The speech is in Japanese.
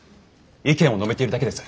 意見を述べているだけです。